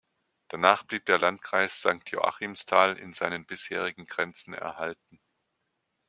Danach blieb der Landkreis Sankt Joachimsthal in seinen bisherigen Grenzen erhalten.